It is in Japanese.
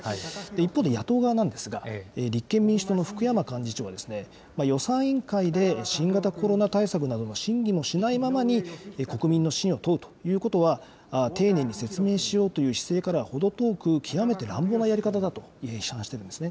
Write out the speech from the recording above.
一方で野党側なんですが、立憲民主党の福山幹事長は、予算委員会で新型コロナ対策などの審議もしないままに、国民の信を問うということは、丁寧に説明しようという姿勢からは程遠く、極めて乱暴なやり方だと批判しているんですね。